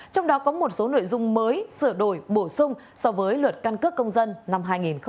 trong đó có một số nội dung mới sửa đổi bổ sung so với luật căn cước công dân năm hai nghìn một mươi ba